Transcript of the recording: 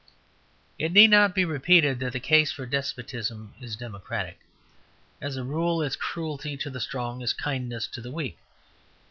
It need not be repeated that the case for despotism is democratic. As a rule its cruelty to the strong is kindness to the weak.